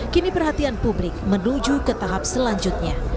kini perhatian publik menuju ke tahap selanjutnya